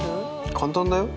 簡単だよ。